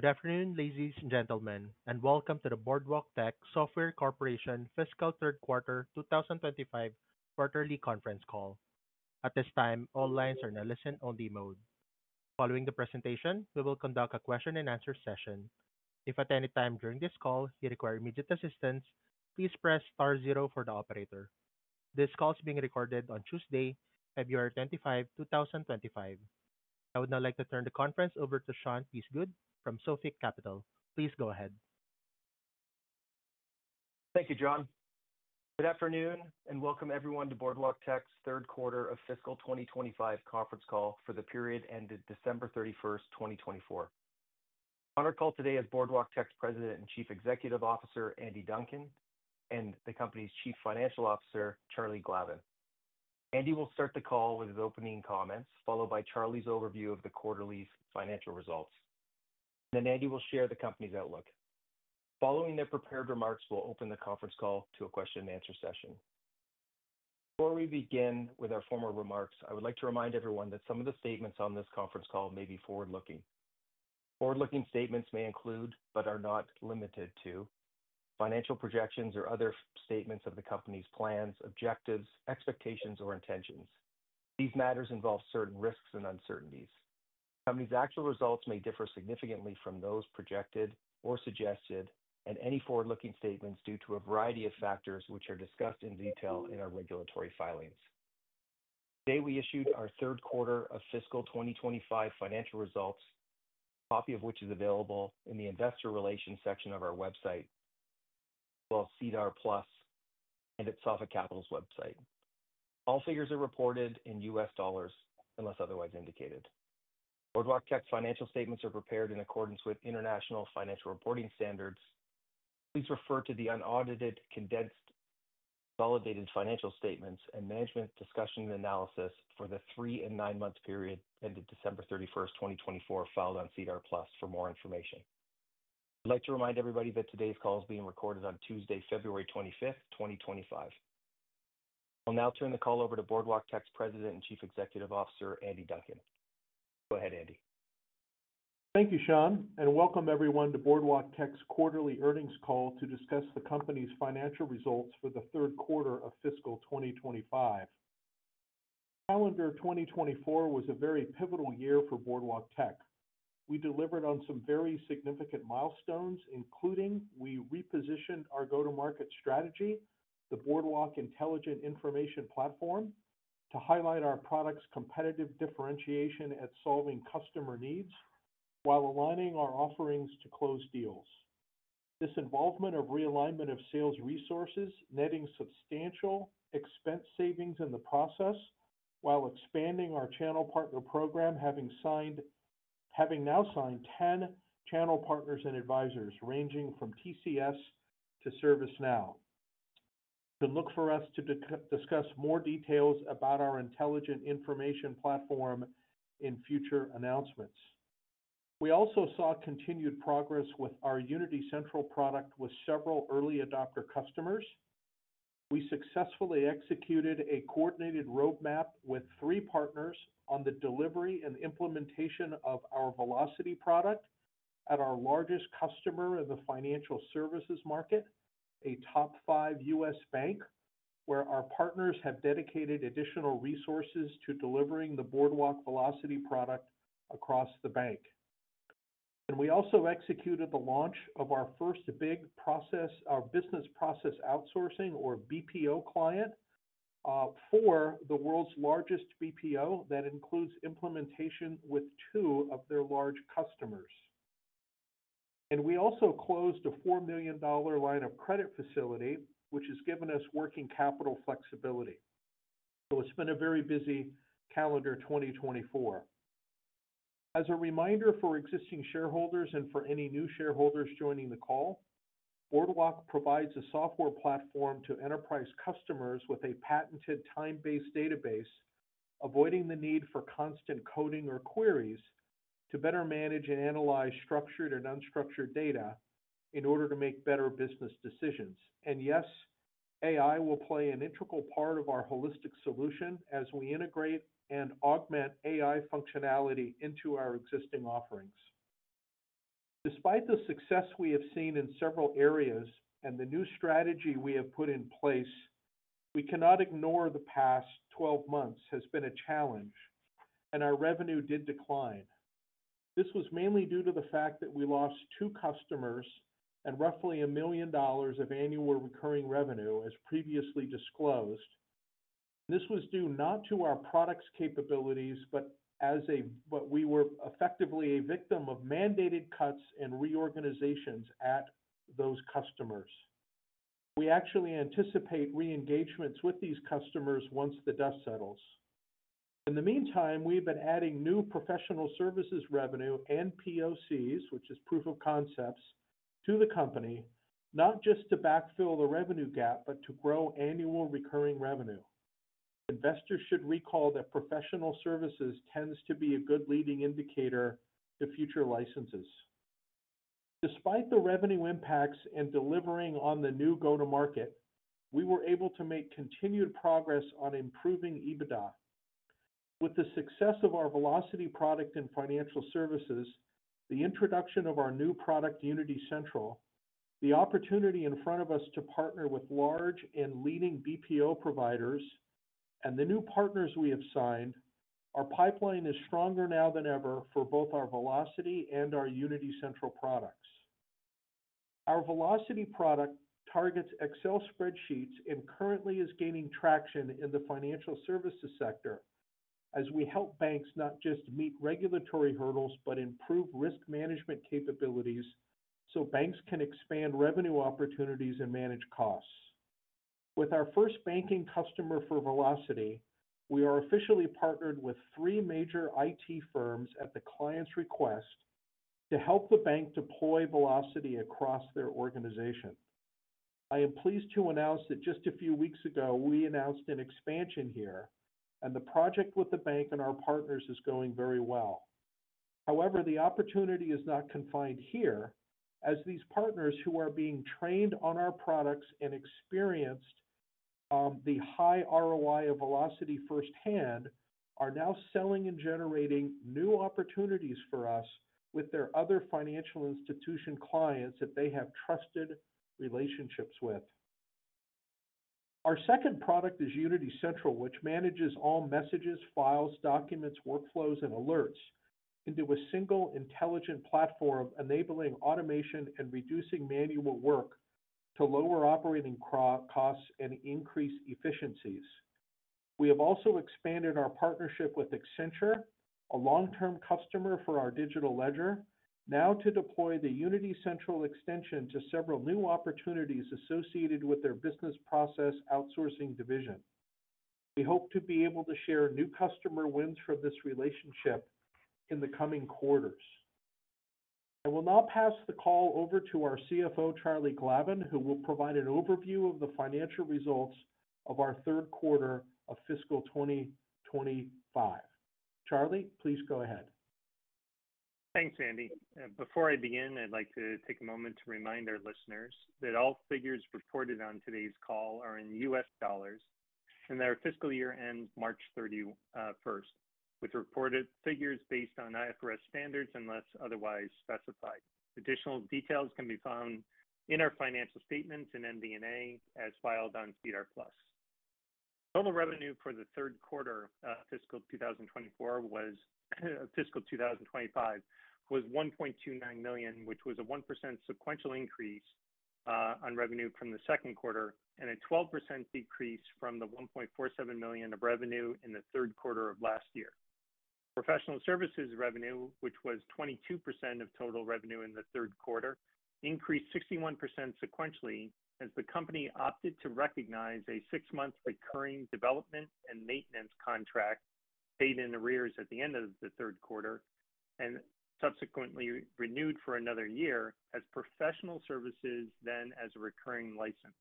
Good afternoon, ladies and gentlemen, and welcome to the Boardwalktech Software Corporation Fiscal Q3 2025 Quarterly Conference Call. At this time, all lines are in a listen-only mode. Following the presentation, we will conduct a question-and-answer session. If at any time during this call you require immediate assistance, please press *0 for the operator. This call is being recorded on Tuesday, February 25, 2025. I would now like to turn the conference over to Sean Peasgood from Sophic Capital. Please go ahead. Thank you, John. Good afternoon, and welcome everyone to Boardwalktech's Q3 Fiscal 2025 Conference Call for the period ended December 31, 2024. On our call today is Boardwalktech's President and Chief Executive Officer, Andy Duncan, and the company's Chief Financial Officer, Charlie Glavin. Andy will start the call with his opening comments, followed by Charlie's overview of the quarterly financial results. Andy will share the company's outlook. Following their prepared remarks, we'll open the conference call to a question-and-answer session. Before we begin with our formal remarks, I would like to remind everyone that some of the statements on this conference call may be forward-looking. Forward-looking statements may include, but are not limited to, financial projections or other statements of the company's plans, objectives, expectations, or intentions. These matters involve certain risks and uncertainties. The company's actual results may differ significantly from those projected or suggested, and any forward-looking statements are due to a variety of factors which are discussed in detail in our regulatory filings. Today, we issued our Q3 Fiscal 2025 financial results, a copy of which is available in the Investor Relations section of our website, as well as SEDAR+ and at Sophic Capital's website. All figures are reported in U.S. dollars unless otherwise indicated. Boardwalktech's financial statements are prepared in accordance with International Financial Reporting Standards. Please refer to the Unaudited, Condensed, Consolidated Financial Statements and Management Discussion and Analysis for the three- and nine-month period ended December 31, 2024, filed on SEDAR+ for more information. I'd like to remind everybody that today's call is being recorded on Tuesday, February 25, 2025. I'll now turn the call over to Boardwalktech's President and Chief Executive Officer, Andy Duncan. Go ahead, Andy. Thank you, Sean, and welcome everyone to Boardwalktech's Quarterly Earnings Call to discuss the company's financial results for the Q3 of Fiscal 2025. Calendar 2024 was a very pivotal year for Boardwalktech. We delivered on some very significant milestones, including we repositioned our go-to-market strategy, the Boardwalk Intelligent Information Platform, to highlight our product's competitive differentiation at solving customer needs while aligning our offerings to close deals. This involved realignment of sales resources, netting substantial expense savings in the process while expanding our channel partner program, having now signed 10 channel partners and advisors ranging from TCS to ServiceNow. You can look for us to discuss more details about our Intelligent Information Platform in future announcements. We also saw continued progress with our Unity Central product with several early adopter customers. We successfully executed a coordinated roadmap with three partners on the delivery and implementation of our Velocity product at our largest customer in the financial services market, a top five U.S. bank, where our partners have dedicated additional resources to delivering the Boardwalk Velocity product across the bank. We also executed the launch of our first big business process outsourcing, or BPO, client for the world's largest BPO that includes implementation with two of their large customers. We also closed a $4 million line of credit facility, which has given us working capital flexibility. It has been a very busy calendar 2024. As a reminder for existing shareholders and for any new shareholders joining the call, Boardwalk provides a software platform to enterprise customers with a patented time-based database, avoiding the need for constant coding or queries to better manage and analyze structured and unstructured data in order to make better business decisions. Yes, AI will play an integral part of our holistic solution as we integrate and augment AI functionality into our existing offerings. Despite the success we have seen in several areas and the new strategy we have put in place, we cannot ignore the past 12 months has been a challenge, and our revenue did decline. This was mainly due to the fact that we lost two customers and roughly $1 million of annual recurring revenue, as previously disclosed. This was due not to our product's capabilities, but as a—but we were effectively a victim of mandated cuts and reorganizations at those customers. We actually anticipate re-engagements with these customers once the dust settles. In the meantime, we've been adding new professional services revenue and POCs, which is proof of concepts, to the company, not just to backfill the revenue gap, but to grow annual recurring revenue. Investors should recall that professional services tends to be a good leading indicator to future licenses. Despite the revenue impacts and delivering on the new go-to-market, we were able to make continued progress on improving EBITDA. With the success of our Velocity product and financial services, the introduction of our new product, Unity Central, the opportunity in front of us to partner with large and leading BPO providers, and the new partners we have signed, our pipeline is stronger now than ever for both our Velocity and our Unity Central products. Our Velocity product targets Excel spreadsheets and currently is gaining traction in the financial services sector as we help banks not just meet regulatory hurdles but improve risk management capabilities so banks can expand revenue opportunities and manage costs. With our first banking customer for Velocity, we are officially partnered with three major IT firms at the client's request to help the bank deploy Velocity across their organization. I am pleased to announce that just a few weeks ago, we announced an expansion here, and the project with the bank and our partners is going very well. However, the opportunity is not confined here, as these partners who are being trained on our products and experienced the high ROI of Velocity firsthand are now selling and generating new opportunities for us with their other financial institution clients that they have trusted relationships with. Our second product is Unity Central, which manages all messages, files, documents, workflows, and alerts into a single intelligent platform, enabling automation and reducing manual work to lower operating costs and increase efficiencies. We have also expanded our partnership with Accenture, a long-term customer for our digital ledger, now to deploy the Unity Central extension to several new opportunities associated with their business process outsourcing division. We hope to be able to share new customer wins from this relationship in the coming quarters. I will now pass the call over to our CFO, Charlie Glavin, who will provide an overview of the financial results of our Q3 of Fiscal 2025. Charlie, please go ahead. Thanks, Andy. Before I begin, I'd like to take a moment to remind our listeners that all figures reported on today's call are in U.S. dollars, and our fiscal year ends March 31, with reported figures based on IFRS standards unless otherwise specified. Additional details can be found in our financial statements and MD&A as filed on SEDAR Plus. Total revenue for the third quarter fiscal 2024 was $1.29 million, which was a 1% sequential increase on revenue from the second quarter and a 12% decrease from the $1.47 million of revenue in the third quarter of last year. Professional services revenue, which was 22% of total revenue in the third quarter, increased 61% sequentially as the company opted to recognize a six-month recurring development and maintenance contract paid in arrears at the end of the third quarter and subsequently renewed for another year as professional services, then as a recurring license.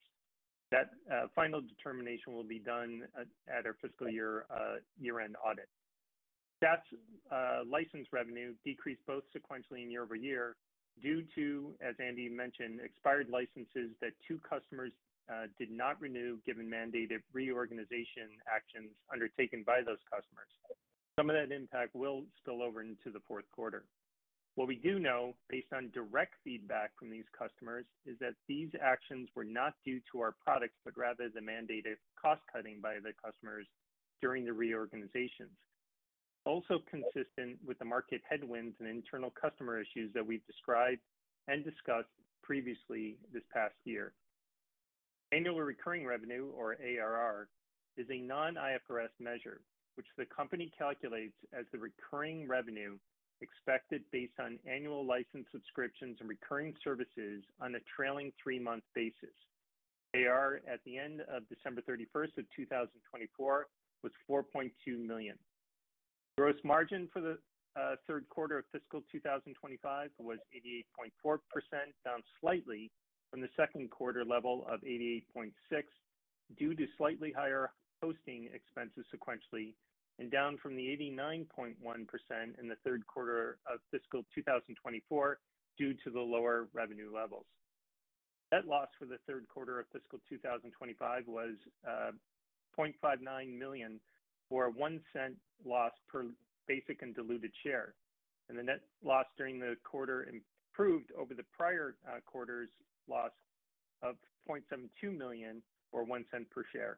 That final determination will be done at our fiscal year-end audit. SaaS license revenue decreased both sequentially and year-over-year due to, as Andy mentioned, expired licenses that two customers did not renew given mandated reorganization actions undertaken by those customers. Some of that impact will spill over into the fourth quarter. What we do know, based on direct feedback from these customers, is that these actions were not due to our products, but rather the mandated cost-cutting by the customers during the reorganizations. It's also consistent with the market headwinds and internal customer issues that we've described and discussed previously this past year. Annual recurring revenue, or ARR, is a non-IFRS measure, which the company calculates as the recurring revenue expected based on annual license subscriptions and recurring services on a trailing three-month basis. ARR at the end of December 31, 2024 was $4.2 million. Gross margin for the Q3 of Fiscal 2025 was 88.4%, down slightly from the second quarter level of 88.6% due to slightly higher hosting expenses sequentially and down from the 89.1% in the Q3 of Fiscal 2024 due to the lower revenue levels. Net loss for the Q3 of Fiscal 2025 was $0.59 million, or a 1 cent loss per basic and diluted share. The net loss during the quarter improved over the prior quarter's loss of $0.72 million, or 1 cent per share.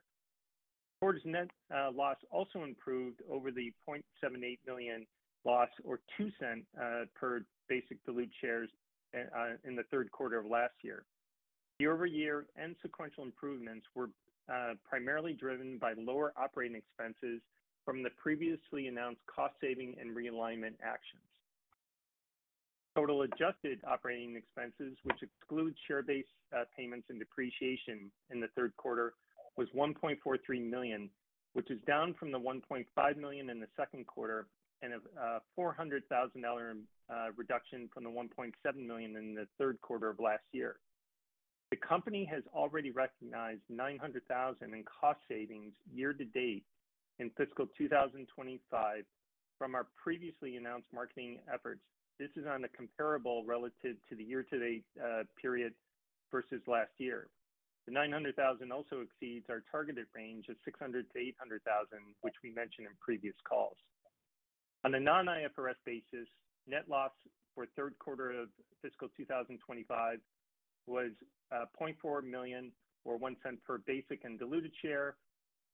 The quarter's net loss also improved over the $0.78 million loss, or 2 cents per basic and diluted shares in the third quarter of last year. Year-over-year and sequential improvements were primarily driven by lower operating expenses from the previously announced cost-saving and realignment actions. Total adjusted operating expenses, which excludes share-based payments and depreciation in the third quarter, was $1.43 million, which is down from the $1.5 million in the second quarter and a $400,000 reduction from the $1.7 million in the third quarter of last year. The company has already recognized $900,000 in cost savings year-to-date in Fiscal 2025 from our previously announced marketing efforts. This is on a comparable relative to the year-to-date period versus last year. The $900,000 also exceeds our targeted range of $600,000-$800,000, which we mentioned in previous calls. On a non-IFRS basis, net loss for Q3 of Fiscal 2025 was $0.4 million, or 1 cent per basic and diluted share,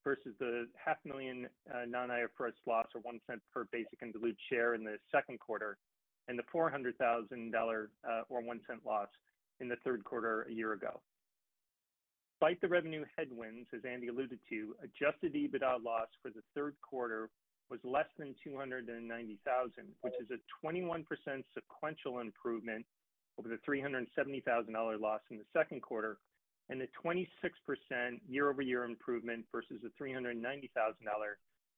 versus the $500,000 non-IFRS loss, or 1 cent per basic and diluted share in the second quarter, and the $400,000, or 1 cent loss in the third quarter a year ago. Despite the revenue headwinds, as Andy alluded to, adjusted EBITDA loss for the third quarter was less than $290,000, which is a 21% sequential improvement over the $370,000 loss in the second quarter and a 26% year-over-year improvement versus the $390,000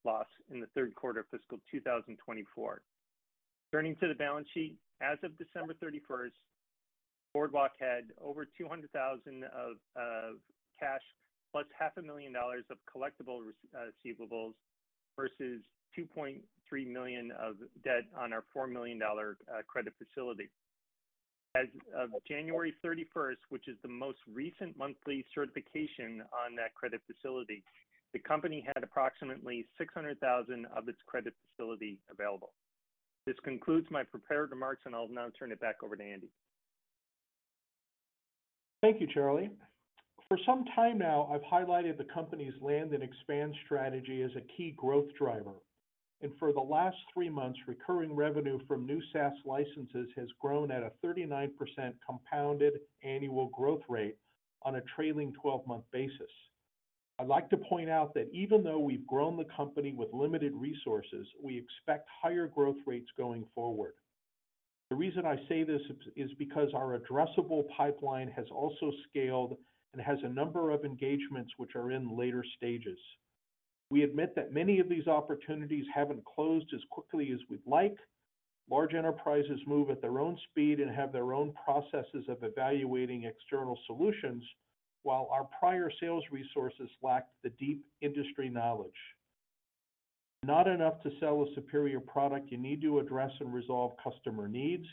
loss in the third quarter of Fiscal 2024. Turning to the balance sheet, as of December 31, Boardwalktech had over $200,000 of cash plus $500,000 of collectible receivables versus $2.3 million of debt on our $4 million credit facility. As of January 31, which is the most recent monthly certification on that credit facility, the company had approximately $600,000 of its credit facility available. This concludes my prepared remarks, and I'll now turn it back over to Andy. Thank you, Charlie. For some time now, I've highlighted the company's land and expand strategy as a key growth driver. For the last three months, recurring revenue from new SaaS licenses has grown at a 39% compounded annual growth rate on a trailing 12-month basis. I'd like to point out that even though we've grown the company with limited resources, we expect higher growth rates going forward. The reason I say this is because our addressable pipeline has also scaled and has a number of engagements which are in later stages. We admit that many of these opportunities haven't closed as quickly as we'd like. Large enterprises move at their own speed and have their own processes of evaluating external solutions, while our prior sales resources lacked the deep industry knowledge. Not enough to sell a superior product, you need to address and resolve customer needs.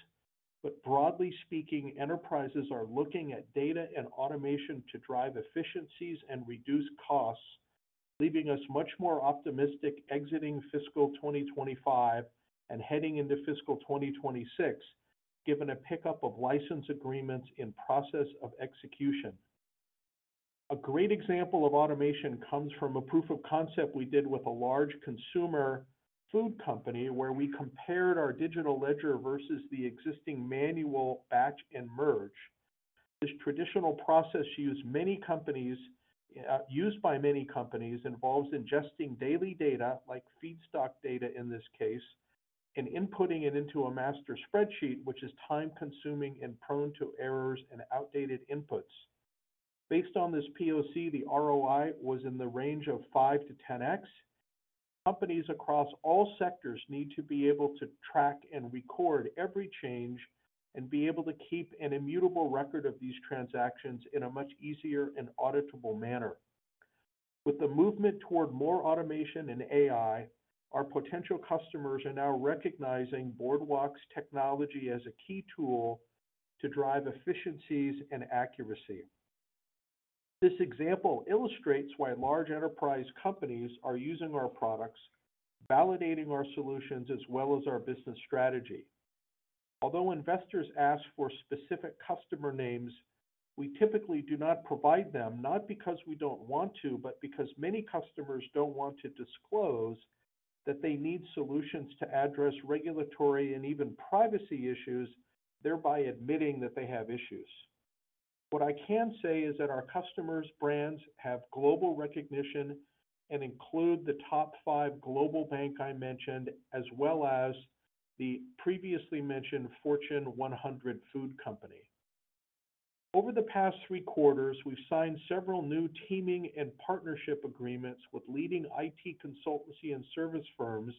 Broadly speaking, enterprises are looking at data and automation to drive efficiencies and reduce costs, leaving us much more optimistic exiting Fiscal 2025 and heading into Fiscal 2026, given a pickup of license agreements in process of execution. A great example of automation comes from a proof of concept we did with a large consumer food company, where we compared our digital ledger versus the existing manual batch and merge. This traditional process used by many companies involves ingesting daily data, like feedstock data in this case, and inputting it into a master spreadsheet, which is time-consuming and prone to errors and outdated inputs. Based on this POC, the ROI was in the range of 5-10x. Companies across all sectors need to be able to track and record every change and be able to keep an immutable record of these transactions in a much easier and auditable manner. With the movement toward more automation and AI, our potential customers are now recognizing Boardwalk's technology as a key tool to drive efficiencies and accuracy. This example illustrates why large enterprise companies are using our products, validating our solutions as well as our business strategy. Although investors ask for specific customer names, we typically do not provide them, not because we do not want to, but because many customers do not want to disclose that they need solutions to address regulatory and even privacy issues, thereby admitting that they have issues. What I can say is that our customers' brands have global recognition and include the top five global bank I mentioned, as well as the previously mentioned Fortune 100 food company. Over the past three quarters, we've signed several new teaming and partnership agreements with leading IT consultancy and service firms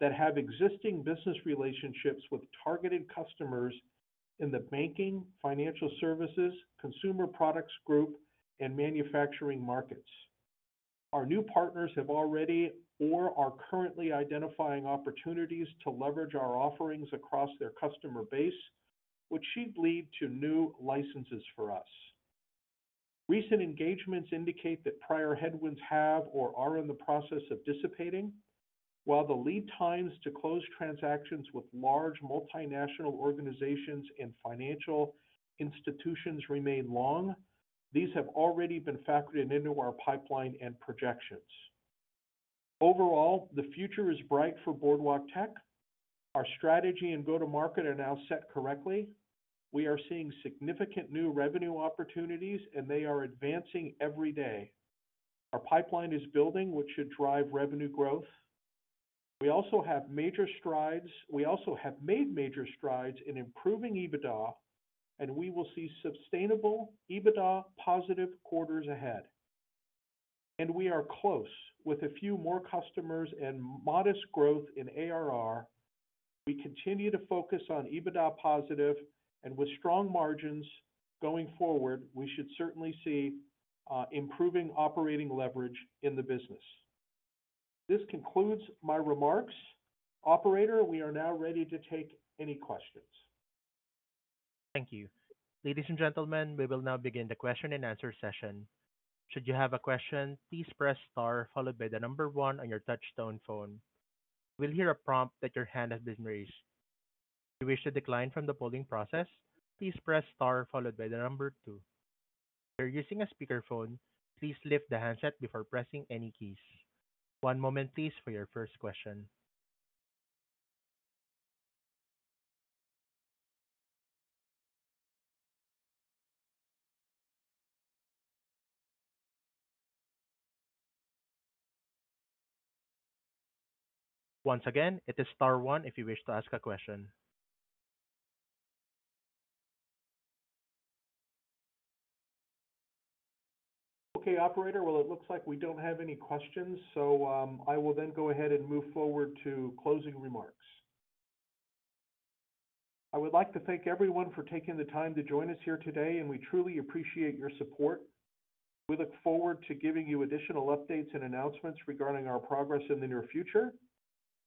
that have existing business relationships with targeted customers in the banking, financial services, consumer products group, and manufacturing markets. Our new partners have already or are currently identifying opportunities to leverage our offerings across their customer base, which should lead to new licenses for us. Recent engagements indicate that prior headwinds have or are in the process of dissipating. While the lead times to close transactions with large multinational organizations and financial institutions remain long, these have already been factored into our pipeline and projections. Overall, the future is bright for Boardwalktech. Our strategy and go-to-market are now set correctly. We are seeing significant new revenue opportunities, and they are advancing every day. Our pipeline is building, which should drive revenue growth. We also have made major strides in improving EBITDA, and we will see sustainable EBITDA-positive quarters ahead. We are close. With a few more customers and modest growth in ARR, we continue to focus on EBITDA-positive, and with strong margins going forward, we should certainly see improving operating leverage in the business. This concludes my remarks. Operator, we are now ready to take any questions. Thank you. Ladies and gentlemen, we will now begin the question-and-answer session. Should you have a question, please press star followed by the number one on your touchstone phone. You will hear a prompt that your hand has been raised. If you wish to decline from the polling process, please press star followed by the number two. If you're using a speakerphone, please lift the handset before pressing any keys. One moment, please, for your first question. Once again, it is star one if you wish to ask a question. Okay, Operator, it looks like we don't have any questions, so I will then go ahead and move forward to closing remarks. I would like to thank everyone for taking the time to join us here today, and we truly appreciate your support. We look forward to giving you additional updates and announcements regarding our progress in the near future.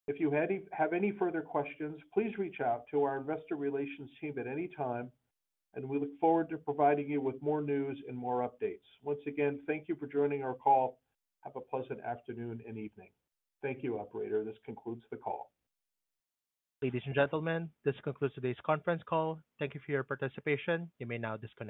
If you have any further questions, please reach out to our investor relations team at any time, and we look forward to providing you with more news and more updates. Once again, thank you for joining our call. Have a pleasant afternoon and evening. Thank you, Operator. This concludes the call. Ladies and gentlemen, this concludes today's conference call. Thank you for your participation. You may now disconnect.